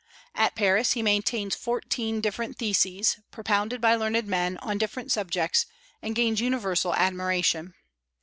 At Paris he maintains fourteen different theses, propounded by learned men, on different subjects, and gains universal admiration.